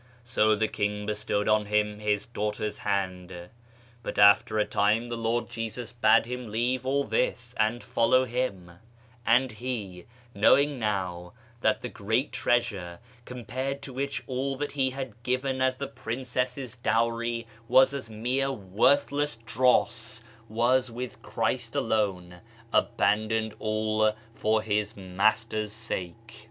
So the king bestowed on him his daughter's hand. But after a time the Lord Jesus bade him leave all this and follow Him, and he, knowing now that the Great Treasure, compared to which all that he had given as the princess's dowry was as mere worthless dross, was with Christ alone, abandoned all for his Master's sake.